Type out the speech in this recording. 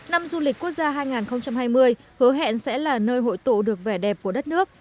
năm du lịch quốc gia hai nghìn hai mươi hứa hẹn sẽ là nơi hội tụ được vẻ đẹp của đất nước